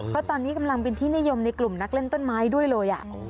เพราะตอนนี้กำลังเป็นที่นิยมในกลุ่มนักเล่นต้นไม้ด้วยเลย